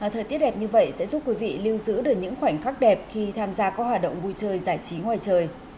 thời tiết đẹp như vậy sẽ giúp quý vị lưu giữ được những khoảnh khắc đẹp khi tham gia các hoạt động vui chơi giải trí ngoài trời